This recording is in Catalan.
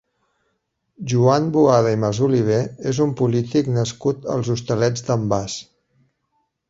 Joan Boada i Masoliver és un polític nascut als Hostalets d'en Bas.